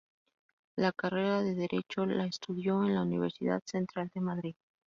La carrera de Derecho la estudió en la Universidad Central de Madrid.